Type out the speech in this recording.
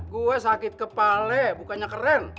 gue sakit kepala bukannya keren